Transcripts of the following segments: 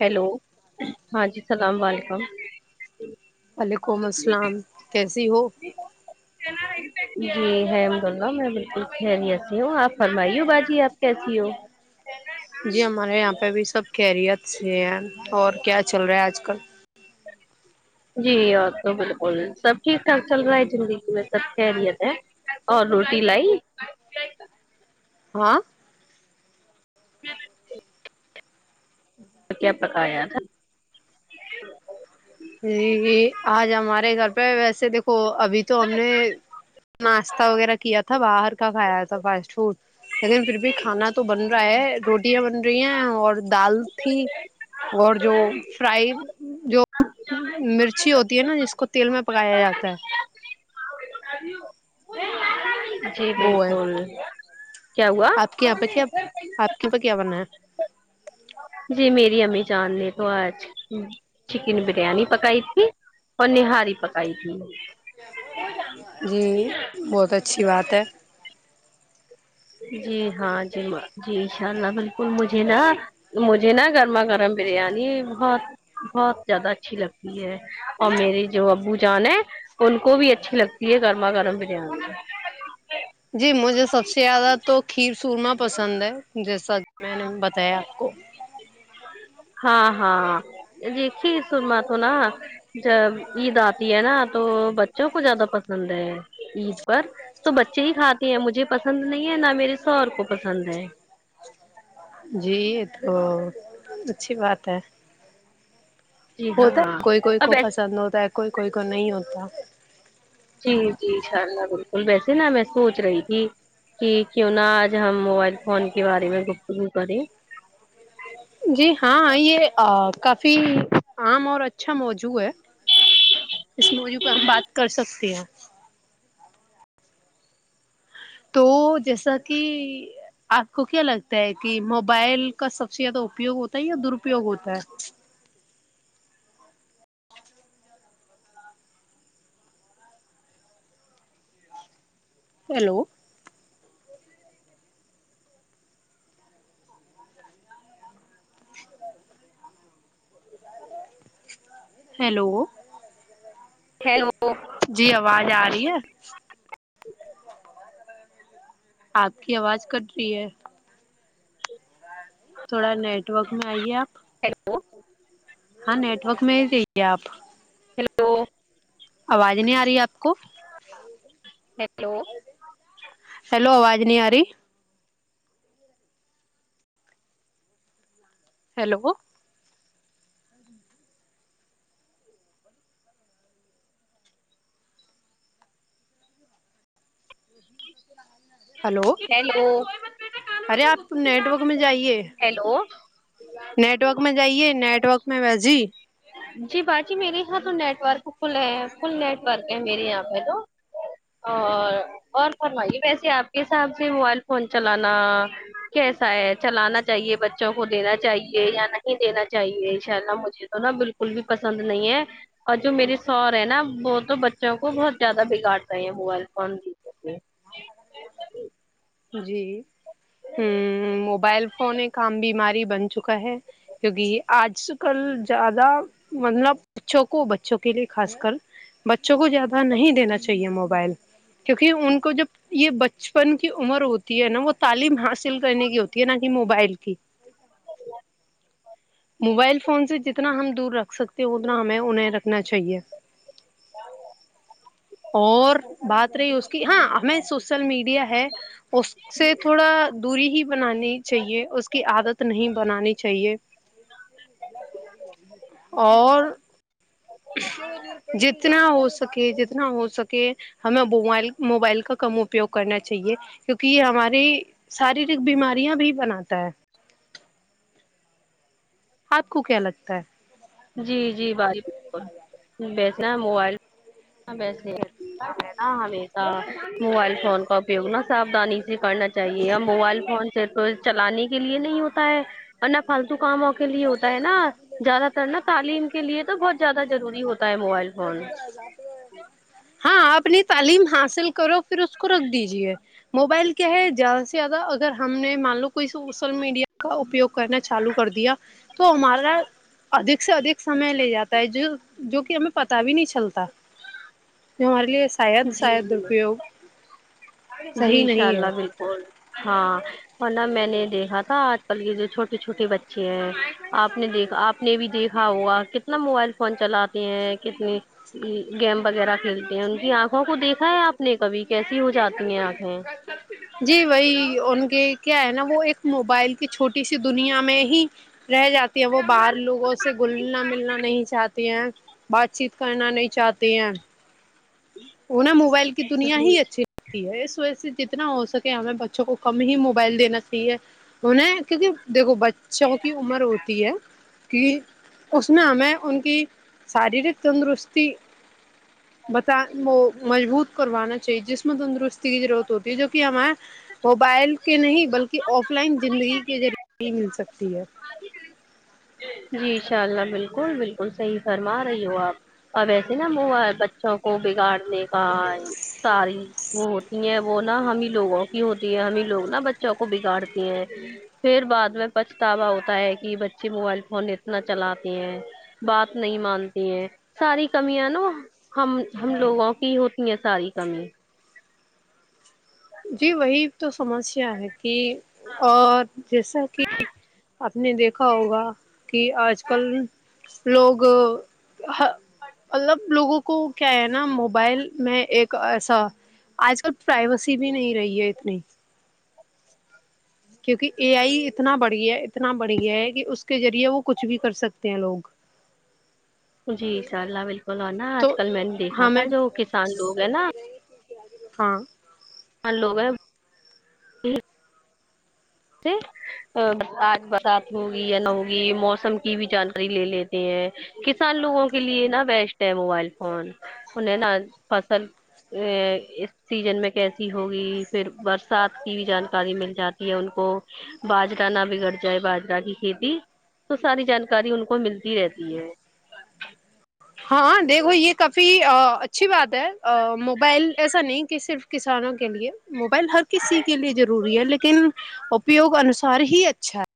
hello ہاں جی اسلام علیکم وعلیکم السلام کیسی ہو جی الحمد اللہ میں بالکل خیریت سے ہوں آپ فرمائی ہو باجی آپ کیسی ہو جی ہمارے یہاں پہ بھی سب خیریت سے ہیں اور کیا چل رہا ہے آج کل جی اور تو بالکل سب ٹھیک ٹھاک چل رہا ہے زندگی میں سب خیریت ہے اور روٹی لائی ہاں [unintelligible] تو کیا پکایا تھا جی جی آج ہمارے گھر پہ ویسے دیکھو ابھی تو ہم نے ناشتہ وغیرہ کیا تھا باہر کا کھایا تھا فاسٹ فوڈ لیکن پھر بھی کھانا تو بن رہا ہے روٹیاں بن رہی ہیں اور دال تھی اور جو فرائی جو مرچی ہوتی ہے نا جس کو تیل میں پکایا جاتا ہے جی وہ ہے بالکل کیا ہوا آپ کے یہاں پہ کیا آپ کیابنایا جی میری امی جان نے تو آج چکن بریانی پکائی تھی اور نہاری پکائی تھی جی بہت اچھی بات ہے جی ہاں جی جی ان شاء اللہ بالکل مجھے نا مجھے نا گرما گرم بریانی بہت بہت زیادہ اچھی لگتی ہے اور میری جو ابو جان ہے ان کو بھی اچھی لگتی ہے گرما گرم بریانی جی مجھے سب سے زیادہ تو کھیر سورما پسند ہے جیسا میں نے بتایا آپ کو ہاں ہاں جی کھیر سورما تو نہ جب عید آتی ہے نا تو بچوں کو زیادہ پسند ہے عید پر تو بچے ہی کھاتے ہیں مجھے پسند نہیں ہے نہ میرے شوہر کو پسند ہے جی یہ تو اچھی بات ہے جی ہوتا ہاں ہے کوئی کوئی اب کو ایسے پسند ہوتا ہے کوئی کوئی کو نہیں ہوتا جی جی ان شاء اللہ بالکل ویسے نہ میں سونچ رہی تھی کی کیوں نہ آج ہم موبائل فون کے بارے میں گفتگو کریں جی ہاں یہ کافی عام اور اچھا موضوع ہے اس موضوع پہ ہم بات کر سکتے ہیں تو جیسا کی آپ کو کیا لگتا ہے کی موبائل کا سب سے زیادہ اپیوگ ہوتا ہے یا درپیوگ ہوتا ہے ہیلو ہیلو ہیلو جی آواز آ رہی ہے آپ کی آواز کٹ رہی ہے تھوڑا نیٹ ورک میں آئیے آپ ہیلو ہاں نیٹ ورک میں ہی جائےآپ ہیلو آواز نہیں آ رہی ہے آپ کو ہیلو ہیلو آواز نہیں آ رہی ہیلو ہلو ہیلو ارے آپ نیٹورک میں جائیے ہیلو نیٹ ورک میں جائیے نیٹ ورک میں باجی جی باجی میرے یہاں تو نیٹورک فل ہے فل نیٹورک ہے میرے یہاں پہ تو اور اور فرمائیے ویسے آپ کے حساب سے موبائل فون چلانا کیسا ہے چلانا چاہیے بچوں کو دینا چاہیے یا نہیں دینا چاہیے ان شاء اللہ مجھے تو نا بالکل بھی پسند نہیں ہے اور جو میرے شوہر ہیں نا وہ تو بچوں کو بہت زیادہ بگاڑتے ہیں موبائل فون بھی جی ہ موبائل فون ایک عام بیماری بن چکا ہے کیونکہ آج کل زیادہ مطلب بچوں کو بچوں کے لئے خاص کر بچوں کو زیادہ نہیں دینا چاہیے موبائل کیونکہ ان کو جب یہ بچ بچپن کی عمر ہوتی ہے نا وہ تعلیم حاصل کرنے کی ہوتی ہے نا کہ موبائل کی [unintelligible] موبائل فون سے جتنا ہم دور رکھ سکتے ہو اتنا ہمیں انہیں رکھنا چاہیے [unintelligible] اور بات رہی اس کی ہاں ہمیں سوشل میڈیا ہے اس سے تھوڑا دوری ہی بنانی چاہیے اس کی عادت نہیں بنانی چاہیے اور جتنا ہو سکے جتنا ہو سکے ہمیں بوئل موبائل کا کم اپیوگ کرنا چاہیے کیونکہ یہ ہمارے شاریرک بیماریاں بھی بناتا ہے آپ کو کیا لگتا ہے جی جی بائی بالکل بیچنا ہے موبائل وسے [inaudible] موبائل فون کا اپیوگ نہ سبادھنی سے کرنا چاہیے اب موبائل فون سے تو چلانے کے لیے نہیں ہوتا ہے اور نہ فالتو کاموں کے لیے ہوتا ہے نا زیادہ تر نا تعلیم کے لیے تو بہت زیادہ ضروری ہوتا ہے موبائل فون [unintelligible] ہاں اپنی تعلیم حاصل کرو پھر اس کو رکھ دیجیے موبائل کیا ہے زیادہ سے زیادہ اگر ہم نے مان لو کوئی سوشل میڈیا کا اپیوگ کرنا چالو کر دیا تو ہمارا ادیک سے ادیک سمے لے جاتا ہے جو جو کہ ہمیں پتا بھی نہیں چلتا یہ ہمارے لیے شاید جی شاید جی درپیوگ جی صحیح انشاء نہیں ہے اللہ ہاں اور نا میں نے دیکھا تھا آج کل کے جو چھوٹے چھوٹے بچے ہیں آپ نے دیکھا آپ نے بھی دیکھا ہوگا کتنا موبائل فون چلاتے ہیں کتنے گیم وغیرہ کھیلتے ہیں ان کی آنکھ آنکھوں کو دیکھا ہے آپ نے کبھی کیسی ہو جاتی ہیں آنکھیں جی وہی ان کے کیا ہے نا وہ ایک موبائل کی چھوٹی سی دنیا میں ہی رہ جاتی ہیں وہ باہر لوگوں سے گلنا ملنا نہیں چاہتےہیں بات چیت کرنا نہیں چاہتے ہیں انہیں موبائل کی دنیا جی ہی اچھی تی ہے اس وجہ سے جتنا ہو سکے ہمیں بچوں کو کم ہی موبائل دینا چاہیے انیں کیونکہ دیکھو بچوں کی عمر ہوتی ہے کہ اس میں ہمیں ان کی شاریرک تندرستی بتان وہ مضبوط کروانا چاہیے جسم تندرستی کی ضرورت ہوتی ہے جو کہ ہما موبائل کے نہیں بلکہ آف لائن زندگی کے ذریعے ہی مل سکتی ہے جی انشاء اللہ بالکل بالکل صحیح فرما رہی ہو آپ اب ایسے نا م بچوں کو بگاڑنے کا ساری وہ ہوتی ہیں وہ نا ہمیں لوگوں کی ہوتی ہے ہمیں لوگ نا بچوں کو بگاڑتی ہیں پھر بعد میں پچھتاوا ہوتا ہے کہ بچے موبائل فون اتنا چلاتی ہیں بات نہیں مانتی ہیں ساری کمیاں نا ہم ہم لوگوں کی ہوتی ہیں ساری کمی جی وہی تو سمسیا ہے کہ اور جیسا کہ آپ نے دیکھا ہوگا کہ آج کل لوگ مطلب لوگوں کو کیا ہے نا موبائل میں ایک ایسا آج کل پرائیویسی بھی نہیں رہی ہے اتنی کیونکہ اے آئی اتنا بڑھ گیا اتنا بڑھ گیا ہے کہ اس کے ذریعے وہ کچھ بھی کر سکتے ہیں لوگ [inaudible] جی انشاءاللہ بالکل اورنا آج تو کل میں نے دیکھا تھا ہمیں جو کسان لوگ ہیں نا ہاں مان لوگ ہے جی ا آج برسات ہوگی یا نہ ہوگی موسم کی بھی جانکاری لے لیتے ہیں کسان لوگوں کے لیے نا بیسٹ ہے موبائل فون انہیں نا فصل ا اس سیزن میں کیسی ہوگی پھر برسات کی بھی جانکاری مل جاتی ہے ان کو بازوک جانہ بگڑ چاہے باجرہ کی کھیتی تو ساری جانکاری ان کو ملتی رہتی ہے ہاں دیکھو یہ کافی اچھی بات ہے موبائل ایسا نہیں کہ صرف کسانوں کے لیے موبائل ہر کسی کے لیے ضروری ہے لیکن اپیوگ انوسار ہی اچھا ہے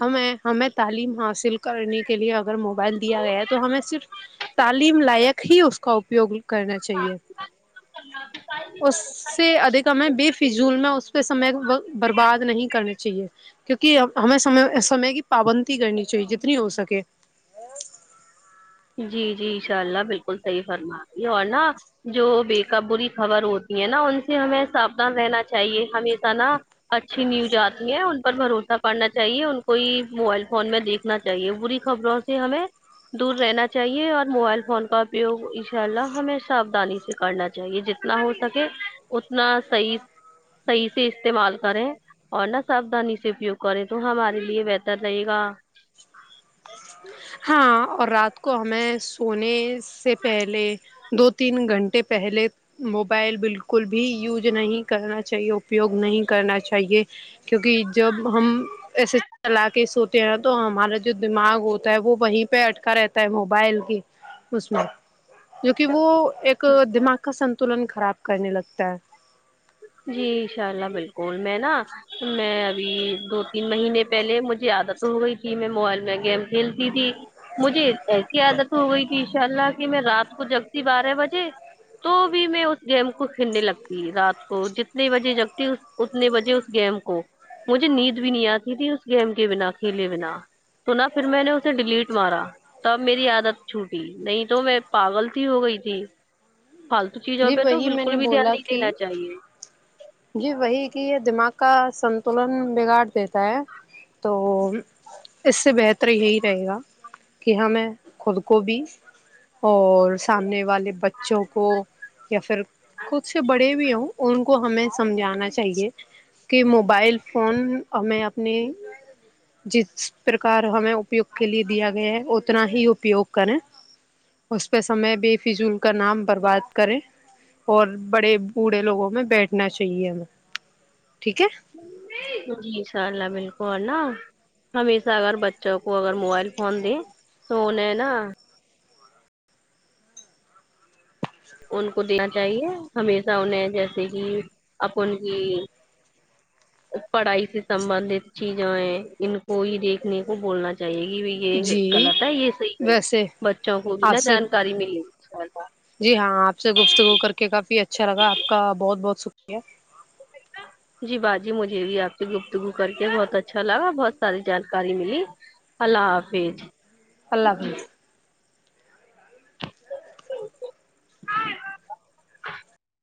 ہمیں ہمیں تعلیم حاصل کرنے کے لیے اگر موبائل دیا گیا ہے تو ہمیں صرف تعلیم لائق ہی اس کا اپیوگ کرنا چاہیے اس اس سے ادھیکم ہے بے فضول میں اس پہ سمے برباد نہیں کرنا چاہیے کیونکہ ہمیں سمے سمے کی پابندی کرنی چاہیے جتنی ہو سکے جی جی انشاء اللہ بالکل صحیح فرما رہی ہو اور نہ جو بے کا بری خبر ہوتی ہے نا ان سے ہمیں ساودھان رہنا چاہیے ہمیشہ نا اچھی نیوز آتی ہیں ان پر بھروسہ پڑنا چاہیے ان کو ہی موبائل فون میں دیکھ نا چاہیے بری خبروں سے ہمیں دور رہنا چاہیے اور موبائل فون کا اپیوگ ایشاء اللہ ہیں ساودانی سے کرنا چاہیے جتنا ہو سکے اتنا صحیح صحیح سے استعمال کریں اور نہا سادانی سے اپیوگ کرے تو ہمارے لیے بہتر رہے گا ہاں اور رات کو ہمیں سونے سے پہلے دو تین گھنٹے پہلے موبائل بالکل بھی یوز نہیں کرنا چاہیے اپپیوگ نہیں کرنا چاہیے کیونکہ جب ہم ایسے چلا کے سوتے ہیں تو ہمارا جو دماغ ہو تا ہے وہ وہیں پہ اٹکا رہتا ہے موبائل کی اس میں جوک وہ ایک دماغ کا سنتولن خراب کرنے لگتا ہے جی انشاء اللہ بالکل میں نا میں ابھی دو تین مہینے پہلے مجھے عادت ہو گئی تھی میں موبائل میں گیم کھیلتی تھی مجھے ایسی عادت ہو گئی کہ انشاء اللہ کی میں رات کو جگتی بارہ بجے تو بھی میں اس گیم کو کھیلنے لگتی رات کو جتنے بجے جگتی اتنے بجے اس گیم کو مجھے نیند بھی نہیں آتی تھی اس گیم کے بنا کھیلے بنا تونا پھر میں نے اسے ڈیلیٹ مارا تب میری عادت چھوٹی نہیں تو میں پاگل س ہو گئی تھی فالتو چیزوں جی پہ تو وہی میں بالکل نے بھی دھیان بولا نہیں کہ دینا چاہیے جی وہی کہ یہ دماغ کا سنتولن بگاڑ دیتا ہے تو اس سے بہتر یہی رہے گا کہ ہمیں خود کو بھی اور سامنے والے بچوں کو یا پھر کود سے بڑے بھی ہو ان کو ہمیں سمجھانا چاہیے کہ موبائل فون ہمیں اپنے جس پرکار ہمیں اپیوگ کے لیے دیا گیا ہے اتنا ہی اپیوگ کریں اس پہ سمے بے فضول کا نام برباد کریں اور بڑے بوڑھے لوگوں میں بیٹھنا چاہیے ہمیں ٹھیک ہے جی انشاء اللہ بالکل اور نا ہمیشہ اگر بچ چوں کو اگر موبائل فون دے تو انہیں نا ان کو دینا چاہیے ہمیشہ انہیں جیسے کہ اپ ان کی [inaudible] پڑھائی سے سبندت چیزایں ہیں ان کو ہی دیکھنے کو بولنا چاہیے [unintelligible] یہ جی غلط ہے یہ صحیح ہے ویسے بچوں کو بھی آپ نا سے جانکاری ملے انشاءاللہ جی ہاں آپ سے گفتگو کر کے کافی اچھا لگا آپ کا بہت بہت شکریہ جی باجی مجھے بھی آپ سے گفتگو کر کے بہت اچھا لگا بہت ساری جانکاری ملی اللہ حافظ اللہ حافظ